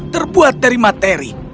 terbuat dari materi